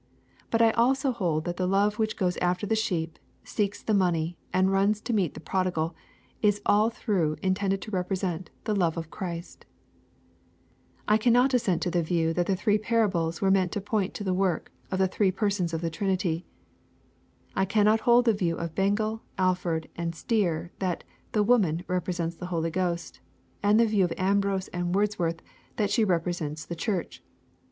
But I also hold that the love which goes after the sheep, seeks the money, and runs to meet the prodigal, is all through intended to represent the love of Christ — I cannot assent to the view that the three parables were meant to point to the work of the Three Persons of the Trinity, I cannot hold the view of Bengel, Afford, and Stier, that *' the woman" represents the Holy Ghost, — and the view of Ambrose and Wordsworth, that she represents the Church.